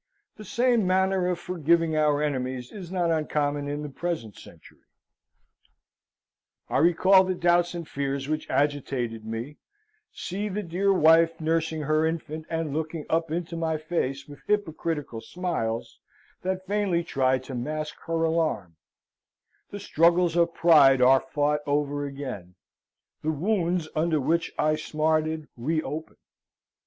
The same manner of forgiving our enemies is not uncommon in the present century.] I recall the doubts and fears which agitated me, see the dear wife nursing her infant and looking up into my face with hypocritical smiles that vainly try to mask her alarm: the struggles of pride are fought over again: the wounds under which I smarted re open.